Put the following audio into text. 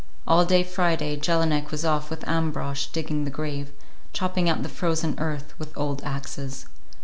All day Friday Jelinek was off with Ambrosch digging the grave, chopping out the frozen earth with old axes.